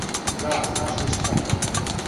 Да, знаш ли шта?